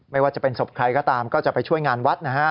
ไม่ว่าจะเป็นศพใครก็ตามก็จะไปช่วยงานวัดนะฮะ